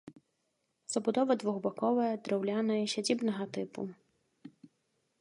Забудова двухбаковая, драўляная, сядзібнага тыпу.